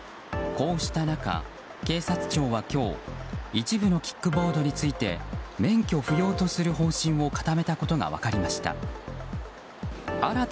こうした中、警察庁は今日一部のキックボードについて免許不要とする方針を固めたことが分かりました。